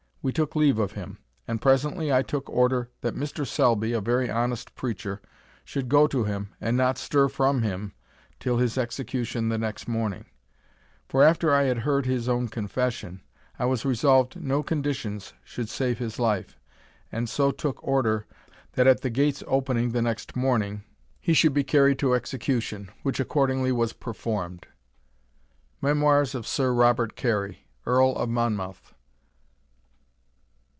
We took leave of him; and presently I took order that Mr Selby, a very honest preacher, should go to him, and not stir from him till his execution the next morning; for after I had heard his own confession, I was resolved no conditions should save his life, and so took order, that at the gates opening the next morning, he should be carried to execution, which accordingly was performed." _Memoirs of Sir Robert Carey, Earl of Monmouth.